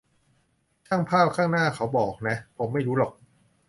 ช่างภาพข้างหน้าเขาบอกนะ ผมไม่รู้หรอก